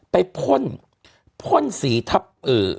พ่นพ่นสีทับเอ่อ